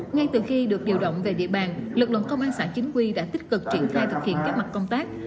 ngay từ khi được điều động về địa bàn lực lượng công an xã chính quy đã tích cực triển khai thực hiện các mặt công tác